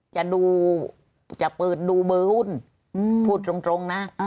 จะดูจะเปิดดูเบอร์หุ้นอืมพูดตรงตรงน่ะอ่า